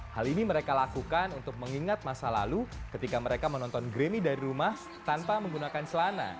hal ini mereka lakukan untuk mengingat masa lalu ketika mereka menonton grammy dari rumah tanpa menggunakan celana